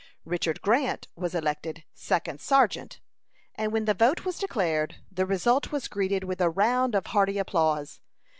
Richard Grant was elected second sergeant, and when the vote was declared, the result was greeted with a round of hearty applause.